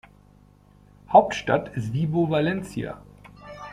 Hauptstadt ist Vibo Valentia.